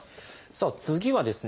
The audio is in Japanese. さあ次はですね